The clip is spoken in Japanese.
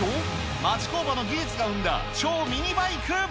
町工場の技術が生んだ超ミニバイク。